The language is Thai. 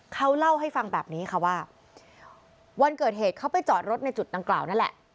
เขาเล่าให้ฟังแบบนี้ค่ะว่าวันเกิดเหตุเขาไปจอดรถในจุดดังกล่าวนั่นแหละ